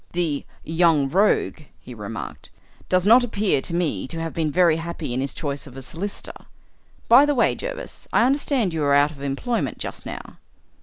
"The 'young rogue,'" he remarked, "does not appear to me to have been very happy in his choice of a solicitor. By the way, Jervis, I understand you are out of employment just now?"